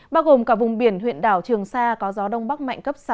bao gồm cả vùng biển huyện đảo trường sa có gió đông bắc mạnh cấp sáu